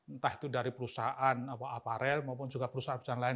entah itu dari perusahaan aparel maupun juga perusahaan perusahaan lain